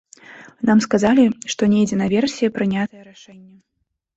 Нам сказалі, што недзе наверсе прынятае рашэнне.